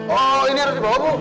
wow ini harus dibawa bu